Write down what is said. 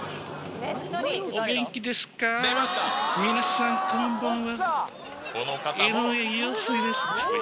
お元気ですかー、皆さん、こんばんは。